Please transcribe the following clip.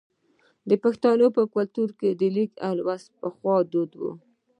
د پښتنو په کلتور کې د لیک لوستل پخوانی دود و.